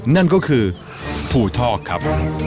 นั่นก็คือภูทอกครับ